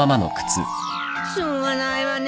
しょうがないわね